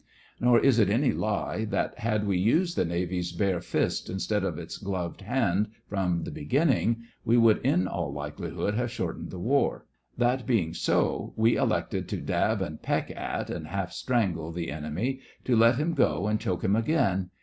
Nor is it any lie that, had we used the Navy's bare fist instead of its gloved hand from the beginning, we could in all likelihood have shortened the war. That being so, we elected to dab and peck at and half strangle the enemy, to let him go and choke him again.